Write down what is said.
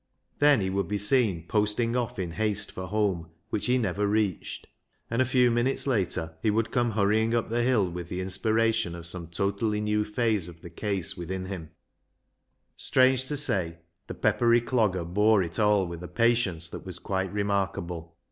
Then he would be seen posting off in haste for home, which he never reached, and a few minutes later he would come hurrying up the hill with the inspiration of some totally new phase of the case within him. LIGE'S LEGACY 185 Strange to say, the peppery Clogger bore it all with a patience that was quite remarkable.